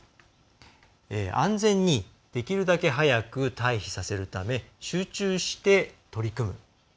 「安全にできるだけ早く退避させるため集中して取り組む」。